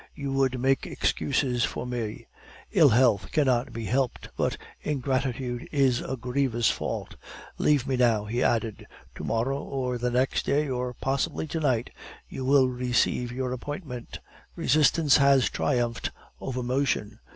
"You would make excuses for me. Ill health cannot be helped, but ingratitude is a grievous fault. Leave me now," he added. "To morrow or the next day, or possibly to night, you will receive your appointment; Resistance has triumphed over Motion.